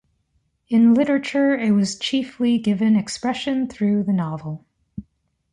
In literature it was chiefly given expression through the novel.